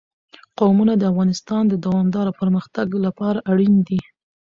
قومونه د افغانستان د دوامداره پرمختګ لپاره اړین دي.